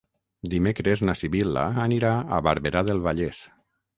Dimecres na Sibil·la anirà a Barberà del Vallès.